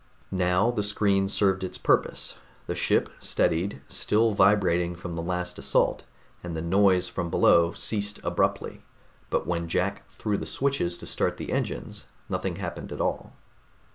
Now the screen served its purpose. The ship steadied, still vibrating from the last assault, and the noise from below ceased abruptly. But when Jack threw the switches to start the engines, nothing happened at all.